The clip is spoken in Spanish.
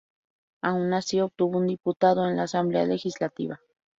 Aun así obtuvo un diputado en la Asamblea Legislativa.